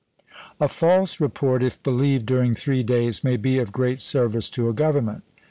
"A false report, if believed during three days, may be of great service to a government."